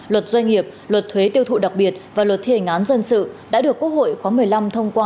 luật doanh nghiệp luật thuế tiêu thụ đặc biệt và luật thi hành án dân sự đã được quốc hội khóa một mươi năm thông qua